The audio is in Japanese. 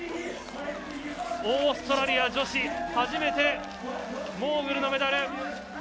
オーストラリア女子初めてモーグルのメダル。